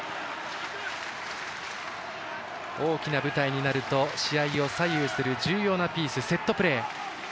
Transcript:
大きな舞台になると試合を左右する重要なピースセットプレー。